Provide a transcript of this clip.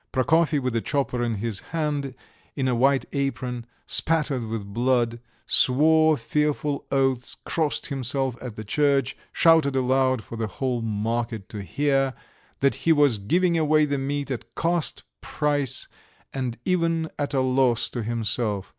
Prokofy, with a chopper in his hand, in a white apron spattered with blood, swore fearful oaths, crossed himself at the church, shouted aloud for the whole market to hear, that he was giving away the meat at cost price and even at a loss to himself.